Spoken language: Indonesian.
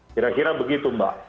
kira kira begitu mbak